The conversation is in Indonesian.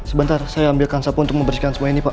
sebentar saya ambilkan sapu untuk membersihkan semua ini pak